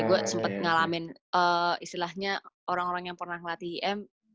gue sempat ngalamin istilahnya orang orang yang pernah ngelatih im